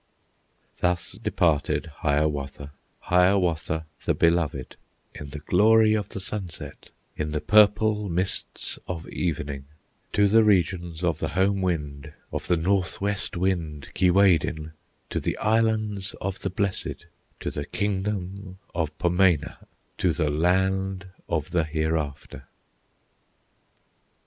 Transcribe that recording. Thus departed Hiawatha, Hiawatha the Beloved, In the glory of the sunset, In the purple mists of evening, To the regions of the home wind, Of the Northwest Wind, Keewaydin, To the Islands of the Blessed, To the Kingdom of Ponemah, To the Land of the Hereafter!